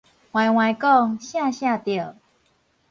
歪歪講，聖聖著